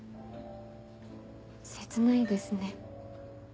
切ないですね。